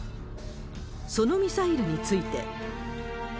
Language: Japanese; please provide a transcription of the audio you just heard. そのミサイルについて。